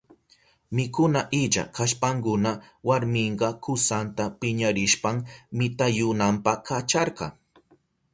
Mikuna illa kashpankuna warminka kusanta piñarishpan mitayunanpa kacharka.